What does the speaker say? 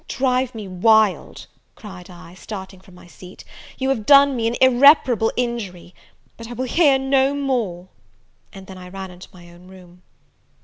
"You'll drive me wild," cried I, starting from my seat, "you have done me an irreparable injury; but I will hear no more!" and then I ran into my own room.